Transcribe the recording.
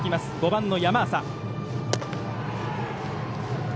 ５番の山浅。